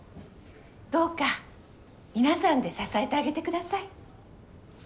どうか皆さんで支えてあげて下さい。